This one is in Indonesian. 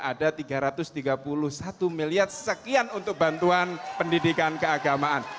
ada tiga ratus tiga puluh satu miliar sekian untuk bantuan pendidikan keagamaan